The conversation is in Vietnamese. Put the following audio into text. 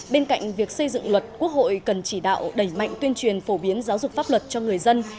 bên cạnh việc xây dựng luật quốc hội cần chỉ đạo đẩy mạnh tuyên truyền phổ biến giáo dục pháp luật cho người dân